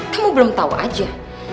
kamu belum tahu aja